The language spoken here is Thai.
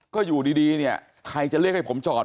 ก็อยู่ดีเนี่ยใครจะเรียกให้ผมจอด